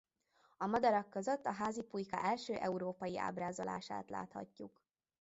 A madarak között a házi pulyka első európai ábrázolását láthatjuk.